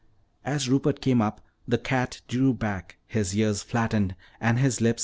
As Rupert came up, the cat drew back, his ears flattened and his lips a snarl.